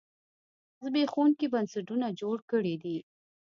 زبېښونکي بنسټونه جوړ کړي دي.